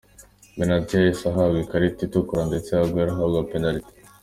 Benatia yahise ahabwa ikarita itukura ndetse Aguero ahabwa penaliti.